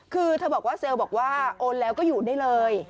คือเธอบอกว่าเซลล์บอกว่าโอนแล้วก็อยู่ได้เลย